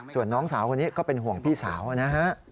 ส่วนน้องสาวคนนี้ก็เป็นห่วงพี่สาวนะฮะ